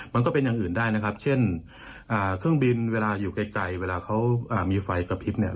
มันก็เป็นอย่างอื่นได้นะครับเช่นเครื่องบินเวลาอยู่ไกลเวลาเขามีไฟกระพริบเนี่ย